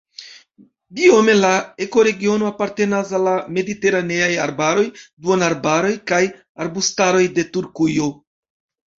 Biome la ekoregiono apartenas al la mediteraneaj arbaroj, duonarbaroj kaj arbustaroj de Turkujo.